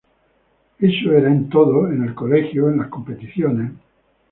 Eso era en todo, en el colegio, en las competiciones.